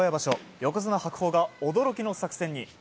横綱・白鵬が驚きの作戦に。